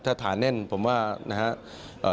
ถ้าฐานแน่นผมว่านะครับ